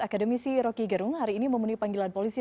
akademisi roky gerung hari ini memenuhi panggilan polisi